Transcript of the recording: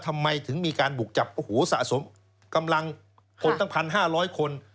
ทำไมถึงมีการบกจับสะสมกำลัง๑๕๐๐คน